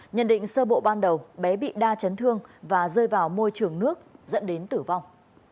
nhận định sơ bộ ban đầu bé bị đa chấn thương và rơi vào môi trường nước dẫn đến tử vong